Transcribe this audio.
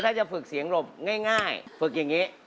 ถ้าจะฝึกเสียงหลบง่ายฝึกอย่างนี้